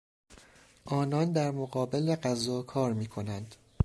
آنان در مقابل غذا کار میکنند.